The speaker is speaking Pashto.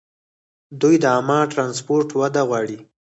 دوی د عامه ټرانسپورټ وده غواړي.